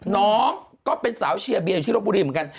น้องก็เป็นสาวเชียร์เบียอยู่ที่รบบุรีเหมือนกัน